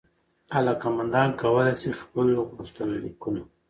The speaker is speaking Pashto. علاقمندان کولای سي خپل غوښتنلیکونه